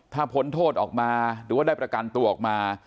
ถ้าพ้นโทษออกมาหรือว่าได้ประกันตัวออกมา